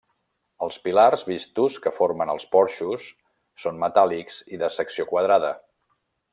Els pilars vistos que formen els porxos són metàl·lics i de secció quadrada.